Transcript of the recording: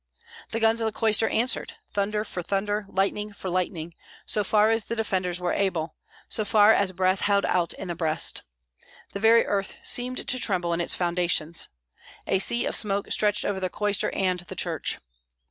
The guns of the cloister answered, thunder for thunder, lightning for lightning, so far as the defenders were able, so far as breath held out in the breast. The very earth seemed to tremble in its foundations. A sea of smoke stretched over the cloister and the church.